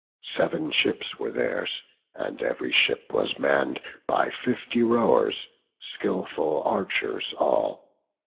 Sev'n ships were theirs, and ev'ry ship was mann'd By fifty rowers, skilful archers all.